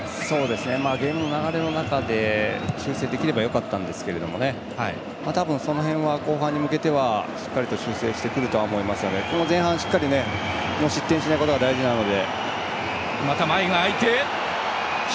ゲームの流れの中で修正できればよかったんですが多分その辺は後半に向けてしっかり修正すると思うので前半しっかり失点しないことが大事なので。